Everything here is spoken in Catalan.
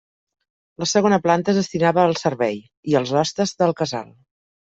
La segona planta es destinava al servei i als hostes del casal.